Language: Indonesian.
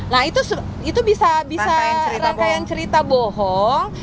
nah itu bisa rangkaian cerita bohong